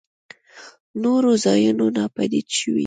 نورو ځايونو ناپديد شوي.